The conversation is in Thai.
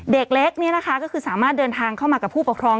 เด็กเล็กก็คือสามารถเดินทางเข้ามากับผู้ปกครอง